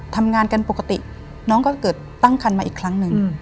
ทำงานกันปกติน้องก็เกิดตั้งคันมาอีกครั้งหนึ่ง